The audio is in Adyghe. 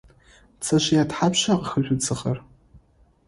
Пцэжъые тхьапша къыхэжъу дзыгъэр?